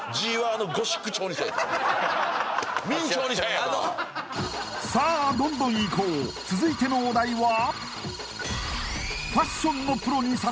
えさぁどんどんいこう続いてのお題は？